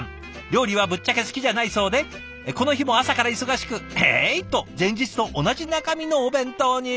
料理はぶっちゃけ好きじゃないそうでこの日も朝から忙しく「ええい！」と前日と同じ中身のお弁当に。